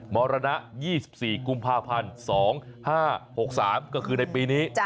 มรณะ๒๔กุมภาพันธ์๒๕๖๓ก็คือในปีนี้